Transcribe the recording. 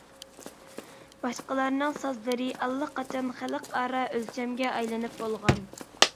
باشقىلارنىڭ سازلىرى ئاللىقاچان خەلقئارا ئۆلچەمگە ئايلىنىپ بولغان.